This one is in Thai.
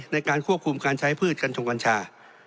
ในการควบคุมการใช้พืชกัญชงกัญชา